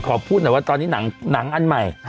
ขอพูดหน่อยว่าตอนนี้หนังอันใหม่